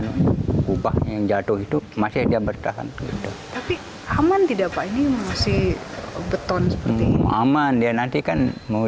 upah yang jatuh itu masih dia bertahan tapi aman tidak pak ini masih beton aman dia nantikan mau